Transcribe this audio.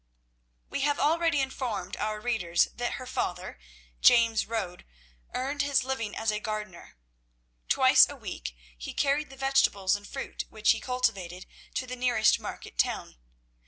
We have already informed our readers that her father, James Rode, earned his living as a gardener. Twice a week he carried the vegetables and fruit which he cultivated to the nearest market town.